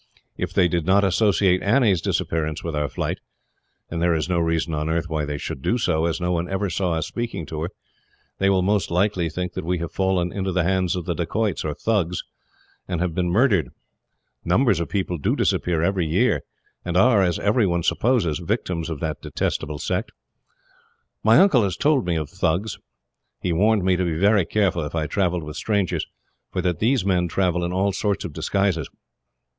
If they do not associate Annie's disappearance with our flight and there is no reason on earth why they should do so, as no one ever saw us speaking to her they will most likely think that we have fallen into the hands of the Dacoits, or Thugs, and have been murdered. Numbers of people do disappear every year, and are, as everyone supposes, victims of that detestable sect. My uncle has told me of Thugs. He warned me to be very careful, if I travelled with strangers, for that these men travel in all sorts of disguises.